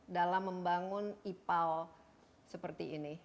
dalam membangun ipal seperti ini